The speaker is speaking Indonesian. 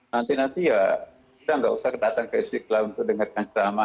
nanti nanti ya tidak usah datang ke istiqlal untuk mendengarkan cerama